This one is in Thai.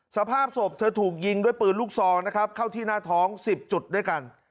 สภาพศพเธอถูกยิงด้วยปืนลูกซองนะครับเข้าที่หน้าท้อง๑๐จุดด้วยกัน